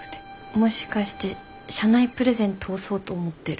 もしかして社内プレゼン通そうと思ってる？